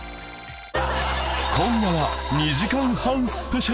今夜は２時間半スペシャル